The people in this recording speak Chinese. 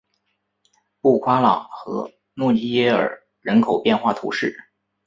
布夸朗和诺济耶尔人口变化图示